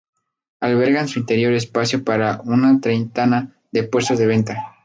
Alberga en su interior espacio para una treintena de puestos de venta.